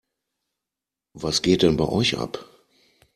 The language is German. Was geht denn bei euch ab?